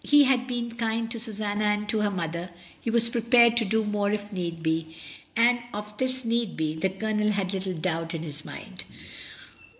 He had been kind to Susanna and to her mother; he was prepared to do more if need be; and of this need be, the Colonel had little doubt in his mind.